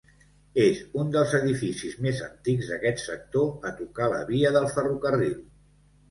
És un dels edificis més antics d'aquest sector a tocar la via del ferrocarril.